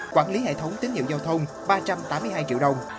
quản lý hệ thống tín hiệu giao thông ba trăm tám mươi hai triệu đồng